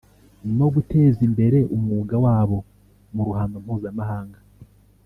no guteza imbere umwuga wabo mu ruhando mpuzamahanga